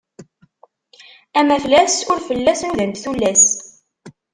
Amaflas ur fell-as nudant tullas.